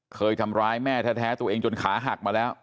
เคยทำร้ายแม่แท้ตัวเองจนขาหักมาแล้ว